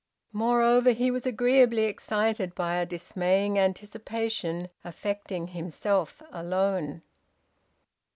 Moreover, he was agreeably excited by a dismaying anticipation affecting himself alone.